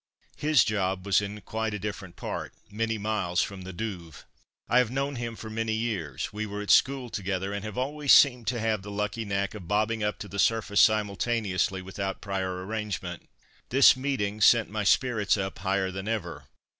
His job was in quite a different part, many miles from the Douve. I have known him for many years; we were at school together, and have always seemed to have the lucky knack of bobbing up to the surface simultaneously without prior arrangement. This meeting sent my spirits up higher than ever.